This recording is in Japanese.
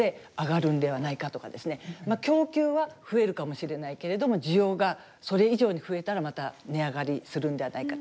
まあ供給は増えるかもしれないけれども需要がそれ以上に増えたらまた値上がりするんではないか。